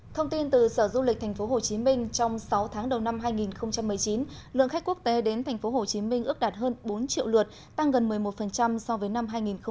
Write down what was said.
thông tin từ sở du lịch tp hcm trong sáu tháng đầu năm hai nghìn một mươi chín lượng khách quốc tế đến tp hcm ước đạt hơn bốn triệu lượt tăng gần một mươi một so với năm hai nghìn một mươi tám